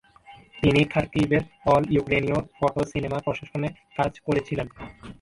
তিনি খারকিভের অল-ইউক্রেনীয় photo cinema প্রশাসনে কাজ করেছিলেন।